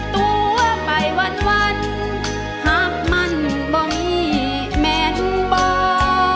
ตัวไปวันฮากมันบ่มีเงา